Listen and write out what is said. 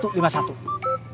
sumbu x dan sumbu y